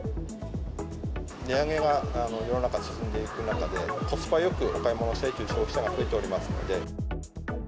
値上げが世の中、進んでいく中で、コスパよくお買い物をしたいという消費者が増えておりますので。